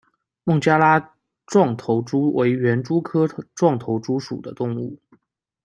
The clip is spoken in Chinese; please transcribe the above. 孟加拉壮头蛛为园蛛科壮头蛛属的动物。